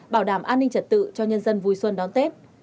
bảo đảm an ninh trật tự cho nhân dân vui xuân đón tết